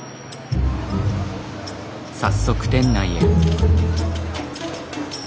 早速店内へ。